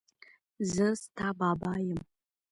زه ستا بابا یم.